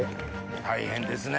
大変ですね。